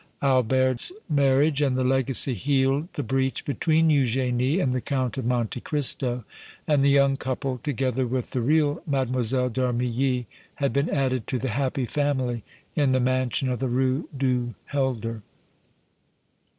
Albert's marriage and the legacy healed the breach between Eugénie and the Count of Monte Cristo, and the young couple, together with the real Mlle. d' Armilly, had been added to the happy family in the mansion of the Rue du Helder.